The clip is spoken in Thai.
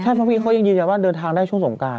ใช่เพราะพี่เขายังยืนยันว่าเดินทางได้ช่วงสงการ